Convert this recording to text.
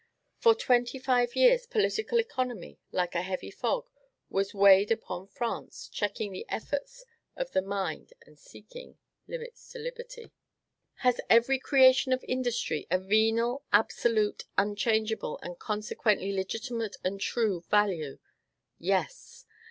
For twenty five years political economy, like a heavy fog, has weighed upon France, checking the efforts of the mind, and setting limits to liberty. Has every creation of industry a venal, absolute, unchangeable, and consequently legitimate and true value? Yes.